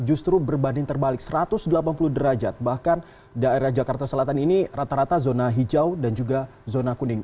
justru berbanding terbalik satu ratus delapan puluh derajat bahkan daerah jakarta selatan ini rata rata zona hijau dan juga zona kuning